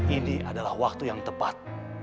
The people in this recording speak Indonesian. ini adalah waktu yang tepat